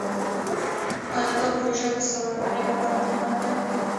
آیا دا پروژه د سوداګرۍ لپاره مهمه نه ده؟